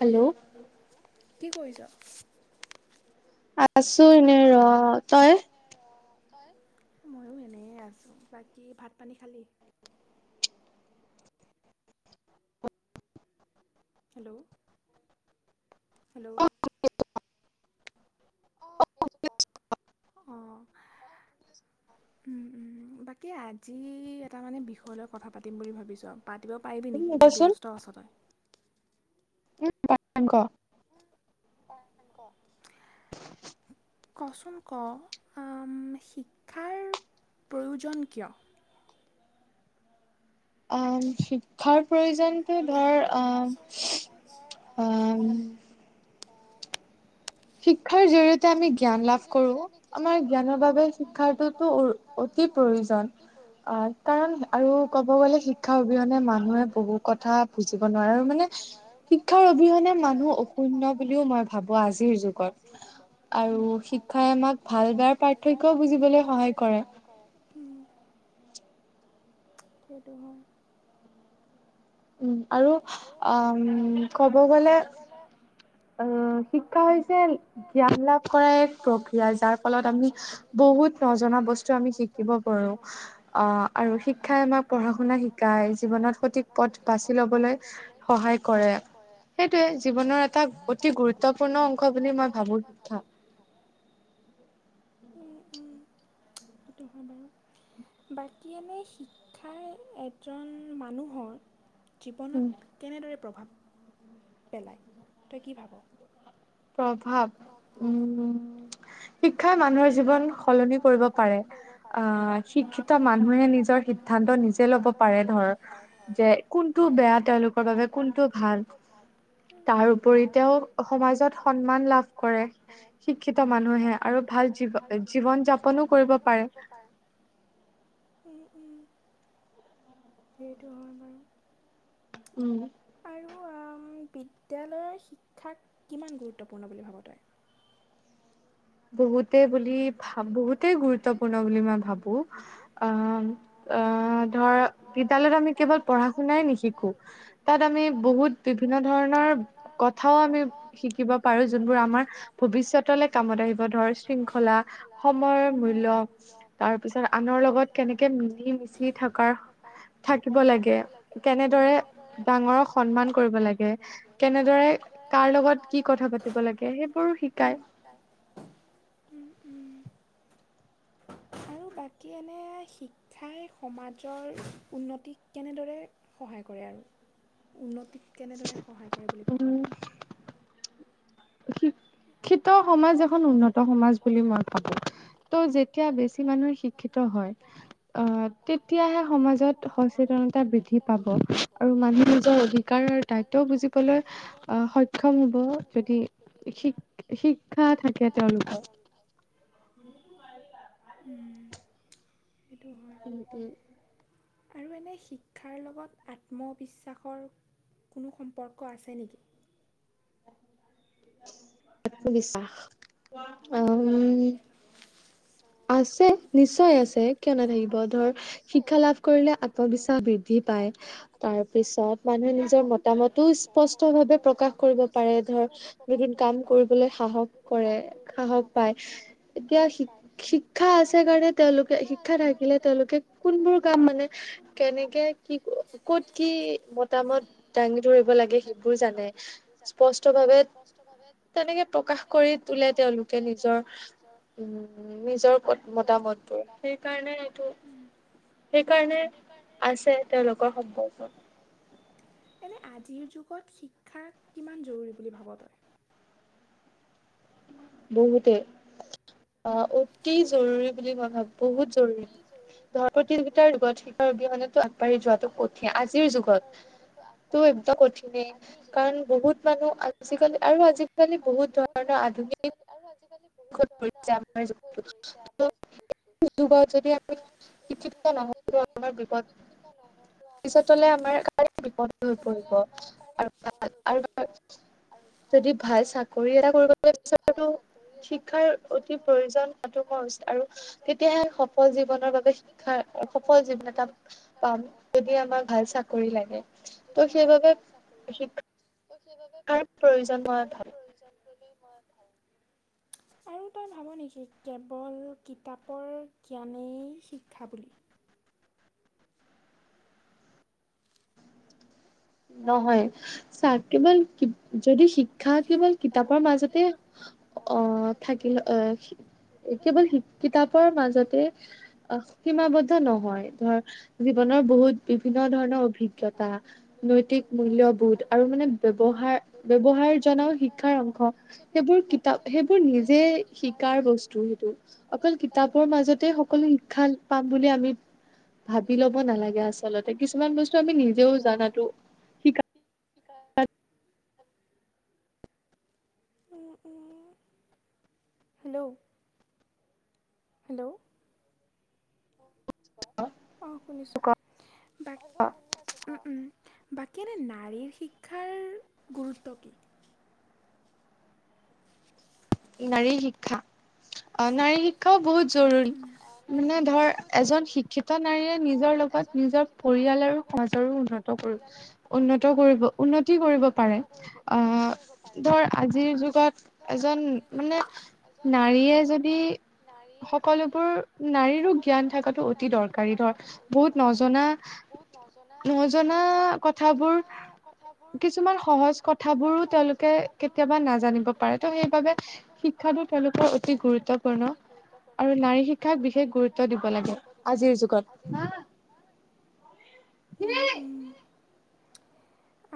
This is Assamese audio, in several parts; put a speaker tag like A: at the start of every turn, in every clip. A: হেল্ল'।
B: হেল্ল কি কৰিছ।
A: আছো এনেই ৰ তই।
B: এ ৰ তই মইয়ো এনেই আছো বাকী ভাত পানী খালি। Hello hello. অ শুনি আছো ক অ শুনিছোঁ উম উম বাকী আজি এটা মানে বিষয় লৈ কথা পাতিম বুলি ভাবিছো আৰু। পাতিব পাৰিবি নেকি, নে ব্যস্ত আছ তই।
A: উম পাৰিম পাৰিম ক।
B: ক চোন ক অ শিক্ষাৰ প্ৰয়োজন কিয়?
A: অ শিক্ষাৰ প্ৰয়োজনটো ধৰ অ অ। শিক্ষাৰ জৰিয়তে আমি জ্ঞান লাভ কৰো আমাৰ জ্ঞানৰ বাবে শিক্ষাৰটো উ। অতি প্ৰয়োজন আহ কাৰণ আৰু ক'ব গ'লে শিক্ষাৰ অবিহনে মানুহে বহু কথা, বুজিব নোৱাৰো মানে শিক্ষাৰ অবিহনে মানুহ অশোণ্য বুলিও মই ভাবো আজিৰ যুগত।
B: আজিৰ যুগত।
A: আৰু শিক্ষাই, আমাক ভাল বেয়াৰ পাৰ্থক্যও বুজিবলৈ সহায় কৰে।
B: কৰে উম সেইটো হয়।
A: উ আৰু আম ক'ব গলে।
B: মানে।
A: আহ শিক্ষা হৈছে জ্ঞান লাভ কৰা এক প্ৰক্ৰিয়া, যাৰ ফলত আমি বহুত। নজনা বস্তু আমি শিকিব পাৰো, আ আৰু শিক্ষাই আমাক পঢ়া শুনা শিকাই জীৱনত। সঠিক পথ বাচি লবলৈ সহায় কৰে, সেইটোৱে জীৱনৰ এত টা অতি গুৰুত্বপূৰ্ণ অংশ বুলি মই ভাবো।
B: উ উ সেইটো হয় বাৰু। বাকী এনেই শিক্ষাই এজন মানুহৰ। জীৱনত কেনেদৰে প্ৰভাৱ পেলায় তই কি ভাব?
A: প্ৰভাৱ উ উ। শিক্ষাই মানুহৰ জীৱন সলনি কৰিব পাৰে, আহ শিক্ষিত মানুহে নিজৰ সিদ্ধান্ত নিজ। জে লব পাৰে ধৰ যে কোনটো বেয়া, তেওঁলোকৰ বাবে কোনটো ভাল। তাৰ উপৰি তেওঁ সমাজত সন্মান লাভ কৰে, শিক্ষিত মানুহে আৰু ভাল। জীৱ জীৱন যাপনো কৰিব পাৰে।
B: উ-উ সেইটো হয় বাৰু।
A: উম।
B: আৰু আম বিদ্যালয়ৰ শিক্ষাক কিমান গুৰুত্বপূৰ্ণ বুলি ভাব তই?
A: বহুতে বুলি ভাবো বহুতেই গুৰুত্বপূৰ্ণ বুলি মই ভাবো। আ, আ ধৰ বিদ্যয়ালয়ত আমি কেৱল পঢ়া শুনাই নিশিকো তাত আমি বহুত। বিভিন্ন ধৰণৰ কথাও আমি শিকিব পাৰো, যোনবোৰ আমাৰ ভৱিষ্যত। তলে কামত আহিব ধৰ। শৃংখলা, সময়ৰ মূল্য, তাৰপিছত আনৰ লগত কেনেকে মিলিম। জি থকাৰ। থাকিব লাগে কেনেদৰে ডাঙৰক সন্মান কৰিব লাগে। কেনেদৰে কাৰ লগত কি কথা পাতিব লাগে সেইবোৰো শিকাই।
B: আৰু বাকী এনে শিক ক্ষাই সমাজৰ উন্নতিক কেনেদৰে সহায় কৰে আৰু। উন্নতিত কেনেদৰে সহায় কৰে বুলি ভাব তই।
A: শি [inaudible] ক্ষিত সমাজ এখন উন্নত সমাজ বুলি মই ভাবো ত' যেতিয়া বেছি মানুহে শিক্ষিত হয়। আহ তেতিয়াহে সমাজত সচেতনতা বৃদ্ধি পাব। আৰু মানুহে নিজৰ অধিকাৰ আৰু দায়িত্বও বুজিবলৈ আহ সক্ষম হব যদি শিক শিক্ষা থাকে তেওঁলোকৰ।
B: সেইটো হয়।
A: উ টো।
B: আৰু এনে শিক্ষাৰ লগত আত্মবিশ্বাসৰ কোনো সম্পৰ্ক আছে নেকি।
A: আত্মবিশ্বাস
B: আত্মবিশ্বাস আ
A: আছে নিশ্চয় আছে কিয় নাথাকিব ধৰ শিক্ষা লাভ কৰিলে আত্মবিশ্বাস বিদ দ্ধি পায় তাৰ পিছত মানুহে নিজৰ মতামতো স্পষ্ট ভাৱে প্ৰকাশ কৰিব পাৰে ধৰ এদিন কাম কৰিবলৈ সাহস কৰে।
B: কৰিবলে সাহস কৰে সাহস পায়।
A: শিক্ষা আছে কাৰণে তেওঁলোকে, শিক্ষা থাকিলে তেওঁলোকে কোনবোৰ কাম মানে কেনেকে কি ক'ত কি মতামত দাঙি ধৰিব লাগে সেইবোৰ জানে, স্পষ্ট ত ভাৱে, তেনেকে প্ৰকাশ কৰি তোলে। তেওঁলোকে নিজৰ উম, নিজৰ মতামতবোৰ। সেইকাৰণে এইটো সেইকাৰণে আছে, তেওঁলোকৰ সম্পৰ্ক।
B: এনে আজিৰ যুগত শিক্ষা কিমান জৰুৰী বুলি ভাব তই?
A: বহুতে, অ', এই অতি জৰুৰী বুলি মই ভাবোঁ বহুত জৰুৰী। দহ প্ৰতিযোগিতাৰ ৰোগত শিক্ষাৰ অবিহনেতো আ পাৰি যোৱাটো কঠিন আজিৰ যুগত, তো [unintelligible] এইটা কঠিনেই। কাৰণ বহুত মানুহ আজিকালি আৰু আজিকালি বহুত ধৰণৰ আধুনিক
B: আৰু আজিকালি
A: [unintelligible] [unintelligible] সিটো ঘৰত যদি আমি [unintelligible] পিছতলে আমাৰ [unintelligible] কাৰ বিপদ হৈ পৰিব আৰু [unintelligible]
B: ব
A: যদি ভাল চাকৰি এটা কৰিবলৈ বিচাৰোঁ, শিক্ষাৰ অতি প্ৰয়োজন। টো মই উচিত আৰু তেতিয়াহে সফল জীৱনৰ বাবে শিক্ষা সফল জীৱন এটা পাম যদি আমাক ভাল চাকৰি লাগে। ত' সেই বাবে শিক্ষা
B: ত' সেইবাবে, শিক্ষাৰো প্ৰয়োজন। যদি মই ভাল। আৰু তই ভাব নেকি কেৱল কিতাপৰ জ্ঞানেই শিক্ষা বুলি।
A: নহয়, চা কেৱল কিত্ যদি শিক্ষা কেৱল কিতাপৰ মাজতে অ', থাকিলো অ কেৱল শিক্-কিতাপৰ মাজতেই আ, সীমাবদ্ধ নহয়। ধৰ জীৱনৰ বহুত বিভিন্ন ধৰণৰ অভিজ্ঞতা। নৈতিক মূল্যবোধ আৰু মানে ব্যৱহাৰ, ব্যৱহাৰ জনাওঁ শিক্ষাৰ অংশ। সেইবোৰ কিতাপ সেইবোৰ নিজে শিকাৰ বস্তু সেইটো, অকল কিতাপৰ মাজতে সকলো ই ক্ষাল পাম বুলি আমি ভাবি ল'ব নালাগে আচলতে, কিছুমান বস্তু আমি নিজেও জনাটো, শিকা
B: শিকা উম, উম। হেল্ল'। হেল্ল', অ', শুনিছোঁ। বাক্ উম, উম। বাকী এনে নাৰীৰ শিক্ষাৰ গুৰুত্ব কি?
A: নাৰী শিক্ষা?
B: [unintelligible]
A: অ', নাৰী শিক্ষাও বহুত জৰুৰী। মানে ধৰ এজন শিক্ষিত নাৰীয়ে নিজৰ লগত নিজৰ পৰিয়াল আৰু সমাজৰো উন্নত কৰিব, উন্নত কৰিব, উন্নতি কৰিব পাৰে। অ', ধৰ আজিৰ যুগত এজন মানে
B: ব এজন
A: যদি সকলোবোৰ নাৰীৰো জ্ঞান থকাতো অতি দৰকাৰী ধৰ, বহুত নজনা নজনা কথাবোৰ, কিছুমান সহজ কথাবোৰো তেওঁলোকে কেতিয়াবা নাজানিব পাৰে। ত' সেইবাবে শিক্ষাতো তেওঁলোকৰ অধ্
B: শিক্ষাতো তেওঁলোকৰ অধিক গুৰুত্বপূৰ্ণ।
A: নাৰী শিক্ষাক বিশেষ গুৰুত্ব দিব লাগে আজিৰ যুগত।
B: উম, উম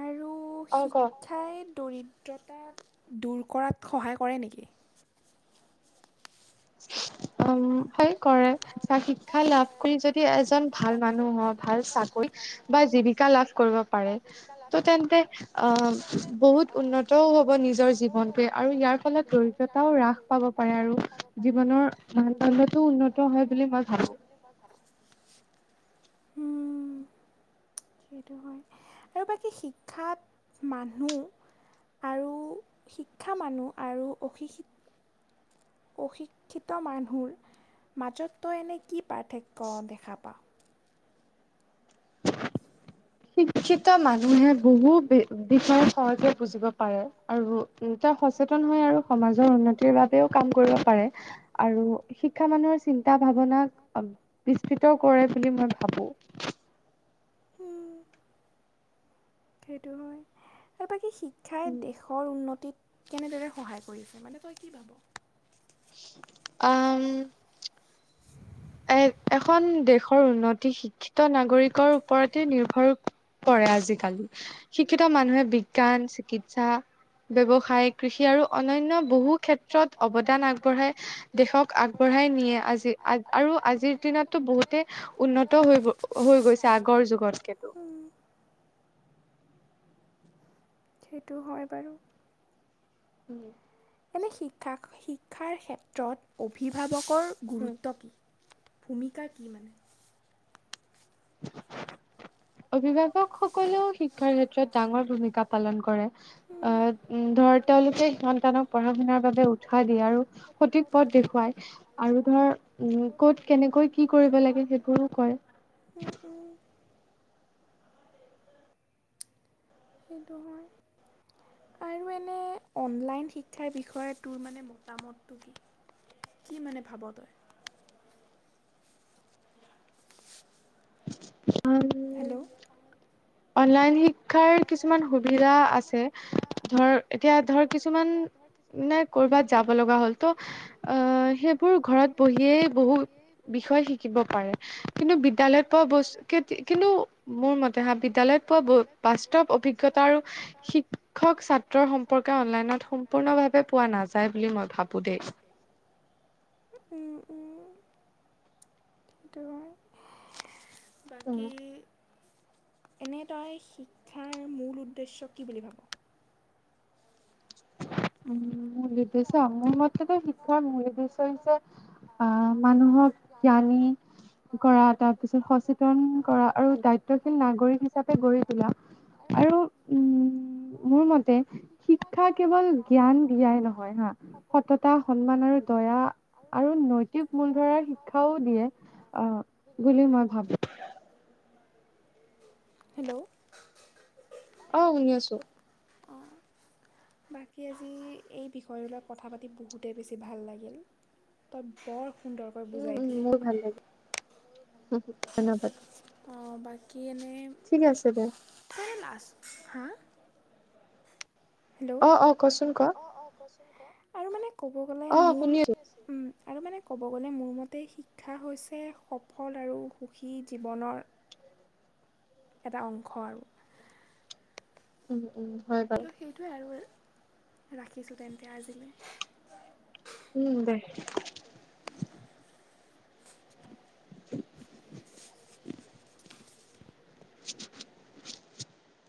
B: আৰু শিক্ষ- ক্ষাই দৰিদ্ৰতাক দূৰ কৰাত সহায় কৰে নেকি?
A: অম হয়। কৰে। চা শিক্ষা লাভ কৰি যদি এজন ভাল মানুহ হ ভাল চাকৰিত- বা জীৱিকা লাভ কৰিব পাৰে। ত' তেন্তে অঁ বহুত উন্নত- তও হব নিজৰ জীৱনটোৱে আৰু ইয়াৰ ফলত দৰিদ্ৰতাও হ্ৰাস পাব পাৰে আৰু। জীৱনৰ মানদণ্ডতো উন্নত-
B: দন্দটোও উন্নত হয় বুলি মই ভাবোঁ। সেইটো হয়, আৰু বাকী শিক্ষাত মানুহ- আৰু শিক্ষা মানুহ আৰু অশিক্ষিত- অশিক্ষিত মানুহৰ মাজত তই এনে কি পাৰ্থক্য দেখা পাও?
A: শিক্ষিত মানুহে বহু বি বিষয়ে সহজে বুজিব পাৰে আৰু- ত সচেতন হয় আৰু সমাজৰ উন্নতিৰ বাবেও কাম কৰিব পাৰে, আৰু শি- ক্ষা মানুহৰ চিন্তা ভাৱনাক বিস্ফৃত কৰে বুলি মই ভাবো।
B: উম' সেইটো হয় আৰু বাকী শিক্ষাই দেশ- শৰ উন্নতিত কেনেদৰে সহায় কৰিছে মানে তই কি ভাব?
A: অম- এ এখন দেশৰ উন্নতি শিক্ষিত নাগৰিকৰ ওপৰতে নিৰ্ভৰ- কৰে আজিকালি। শিক্ষিত মানুহে বিজ্ঞান চিকিৎসা- ব্যৱসায় কৃষি আৰু অন্যানয় বহু ক্ষেত্ৰত অৱদান আগবঢ়াই। দেশক আগবঢ়াই নিয়ে আজি আৰু আজি- টো বহুতে উন্নত হৈ হৈ গৈছে আগৰ যুগতকেতো।
B: সেইটো হয় বাৰু।
A: উম'
B: এনেই শিক্ষা শিক্ষাৰ ক্ষেত্ৰত অভিভাৱকৰ গুৰুত্ব কি? ভূমিকা কি মানে?
A: [unintelligible] অভিভাৱকসকলেও শিক্ষাৰ ক্ষেত্ৰত ডাঙৰ ভূমিকা পালন কৰে। অঁ- উম' ধৰ তেওঁলোকে সি সন্তানক পঢ়া শুনাৰ বাবে উৎসাহ দিয়ে আৰু সঠিক পথ দেখুৱায়। আৰু ধৰ উম ক'ত কেনেকৈ কি কৰিব লাগে সেইবোৰো কয়।
B: উম' উম'। সেইটো হয়। আৰু এনে অনলাইন শিক্ষাৰ বিষয় তোৰ মানে মতামতটো কি? কি মানে ভাব তই?
A: অম-
B: হেল্লৌ'
A: অনলাইন শি- ক্ষাৰ কিছুমান সুবিধা আছে ধৰ এতিয়া ধৰ কিছুমান- নে কৰ'বাত যাব লগা হ'ল? ত' আহ সেইবোৰ ঘৰত বহিয়েই বহুত বিষয় শিক- শিকিব পাৰে। কিন্তু বিদ্যালয়ত পোৱা বস কেতি কিন্তু মোৰ মতে হাঁ বিদ্য়ালয়ত পোৱা ব- বাস্তৱ অভিজ্ঞতা আৰু শিক্ষক ছাত্ৰৰ সম্পৰ্কে অনলাইনত সম্পূৰ্ণভাৱ- পোৱা নাযায় বুলি মই ভাবো দেই।
B: উমহু উম। [unintelligible] বাকী এনেদই শিক্ষাৰ মূল উদ্দেশ্য কি বুলি ভাব?
A: উ, মূল উদ্দেশ্য মোৰ মতেতো শিক্ষাৰ মূল উদ্দেশ্যয় হৈছে আহ, মানুহক জ্ঞানী কৰা তাৰ পিছত সচেতন কৰা আৰু দায়িত্বশীল নাগৰিক হিচাপে গঢ়ি তোলা। আৰু উম, মোৰ মতে শিক্ষা কেৱল জ্ঞান দিয়াই নহয়। হয় হা, সততা সন্মান আৰু দয়া আৰু নৈতিক মূলধৰাৰ শিক্ষাও দিয়ে অ', বুলি মই ভাবো।
B: হেল্ল'?
A: অ', শুনি আছো।
B: অ'। আজি এই বিষয় তোৰ লগত কথা পাতি বহুতেই বেছি লাগিল। তই বৰ সুন্দৰকৈ বুজাই দিলি।
A: ভাল লাগিল। উম, ধন্যবাদ।
B: অ', বাকী এনেই
A: ঠিকে আছে দে।
B: [unintelligible] লাষ্ট হা? হেল্ল' আৰু মানে ক'ব গ'লে মোৰ উম, আৰু মানে ক'ব গ'লে মোৰ মতে শিক্ষা হৈছে সফল আৰু সুখী জীৱনৰ এটা অংশ আৰু।
A: উম, উম, হয় বাৰু।
B: সেইটোৱে আৰু ৰাখিছোঁ তেন্তে আজিলৈ।
A: উম, দে। [inaudible] [inaudible]